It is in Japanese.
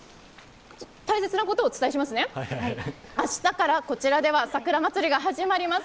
大切なことをお伝えしますね、明日から、こちらでは桜まつりが始まります。